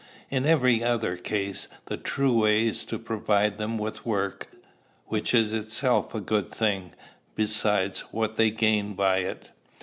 In every other case, the true way is to provide them with work, which is itself a good thing, besides what they gain by it.